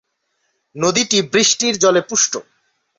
নদীটি বৃষ্টির জলে পুষ্ট।